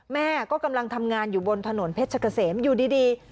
แม่ก็กำลังทำงานอยู่บนถนนเพชรเกษมอยู่ดี